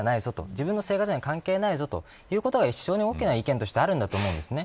自分の生活には関係ないぞということが大きな意見としてあると思うんですね。